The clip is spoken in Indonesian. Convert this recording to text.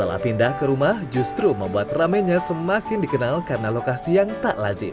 setelah pindah ke rumah justru membuat ramennya semakin dikenal karena lokasi yang tak lazim